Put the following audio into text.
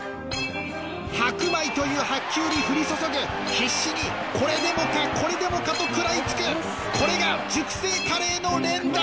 白米という白球に降り注ぐ必死にこれでもかこれでもかと食らいつくこれが熟成カレーの連打！